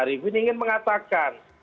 arifin ingin mengatakan